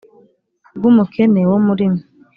rw umukene wo muri mwe